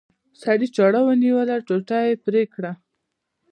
سړي چاړه ونیوله ټوټه یې پرې کړه.